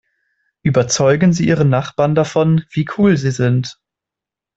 Überzeugen Sie Ihren Nachbarn davon, wie cool Sie sind!